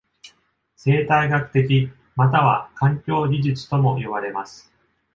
生態学的または環境技術とも呼ばれます。